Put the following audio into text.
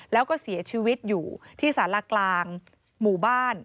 แล้วก็เสียชีวิตอยู่ที่สารากลางหมู่บ้าน